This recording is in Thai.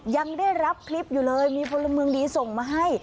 ยังได้รับคลิปอยู่เลยมีพลเมืองดีส่งมาให้